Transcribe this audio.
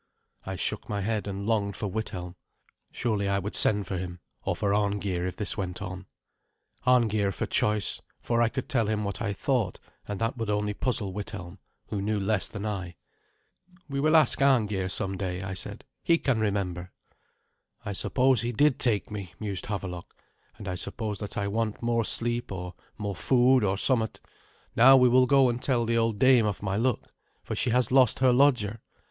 I shook my head, and longed for Withelm. Surely I would send for him, or for Arngeir, if this went on. Arngeir for choice, for I could tell him what I thought; and that would only puzzle Withelm, who knew less than I. "We will ask Arngeir some day," I said; "he can remember." "I suppose he did take me," mused Havelok; "and I suppose that I want more sleep or more food or somewhat. Now we will go and tell the old dame of my luck, for she has lost her lodger."